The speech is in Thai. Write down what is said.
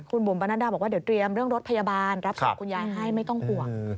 คุณบุ๋มปนัดดาบอกว่าเดี๋ยวเตรียมเรื่องรถพยาบาลรับศพคุณยายให้ไม่ต้องห่วง